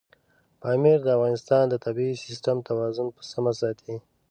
پامیر د افغانستان د طبعي سیسټم توازن په سمه ساتي.